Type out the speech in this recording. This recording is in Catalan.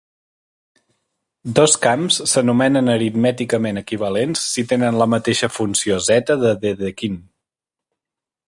Dos camps s'anomenen aritmèticament equivalents si tenen la mateixa funció zeta de Dedekind.